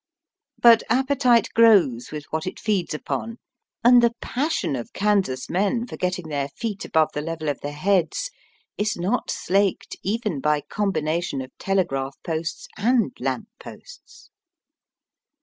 But appetite grows with what it feeds upon, and the passion of Kansas men for getting their feet above the level of their heads is not slaked even by combination of telegraph posts and lamp posts.